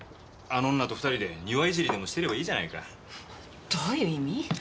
あの女と２人で庭いじりでもしてればいいじゃないかどういう意味？